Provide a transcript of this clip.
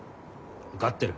受かってる。